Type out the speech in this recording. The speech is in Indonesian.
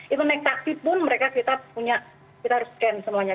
itu naik taksi pun mereka kita punya kita harus scan semuanya